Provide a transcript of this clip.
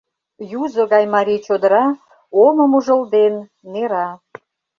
Юзо гай марий чодыра, омым ужылден, нера.